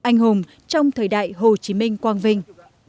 anh hùng trong thời đại hồ chí minh quang vinh